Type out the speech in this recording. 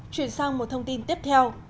chuyển sang một thông tin tiếp theo